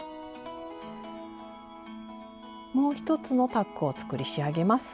もう一つのタックを作り仕上げます。